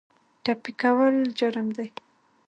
ټپي کول جرم دی.